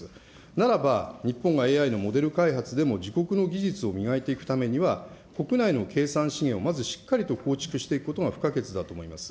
ならば日本がＡＩのモデル開発でも自国の技術を磨いていくためには、国内の計算資源をまずしっかりと構築していくことが不可欠だと思います。